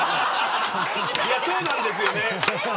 そうなんですよね。